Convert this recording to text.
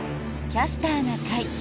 「キャスターな会」。